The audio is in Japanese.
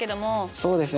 そうですね。